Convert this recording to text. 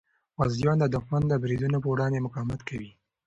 غازیان د دښمن د بریدونو په وړاندې مقاومت کوي.